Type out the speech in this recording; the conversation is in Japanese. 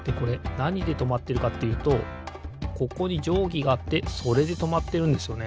なにでとまってるかっていうとここにじょうぎがあってそれでとまってるんですよね。